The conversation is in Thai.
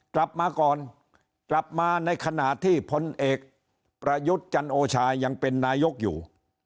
กลับมาก่อนกลับมาในขณะที่พลเอกประยุทธ์จันโอชายังเป็นนายกอยู่